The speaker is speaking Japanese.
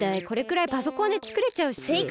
これくらいパソコンでつくれちゃうし。